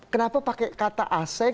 kenapa pakai kata asing